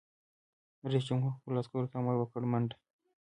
رئیس جمهور خپلو عسکرو ته امر وکړ؛ منډه!